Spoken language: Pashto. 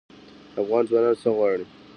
افغان ځوانان څه غواړي؟